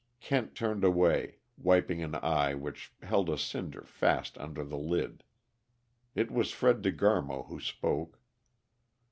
Kent turned away, wiping an eye which held a cinder fast under the lid. It was Fred De Garmo who spoke.